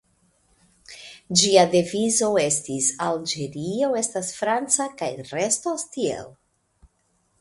Ĝia devizo estis "Alĝerio estas franca kaj restos tiel".